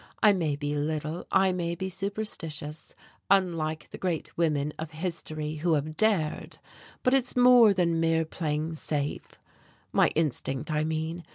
I may be little, I may be superstitious, unlike the great women of history who have dared. But it's more than mere playing safe my instinct, I mean.